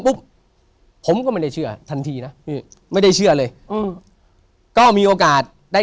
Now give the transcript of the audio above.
ปุ๊บผมก็ไม่ได้เชื่อทันทีนะอืมไม่ได้เชื่อเลยอืมก็มีโอกาสได้